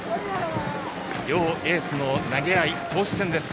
両エースの投げ合い、投手戦です。